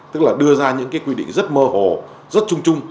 tức là đưa ra những cái quy định rất mơ hồ rất trung trung